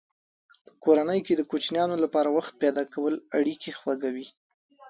په کورنۍ کې د کوچنیانو لپاره وخت پیدا کول اړیکې خوږوي.